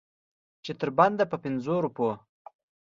چې تر بنده په پنځو روپو.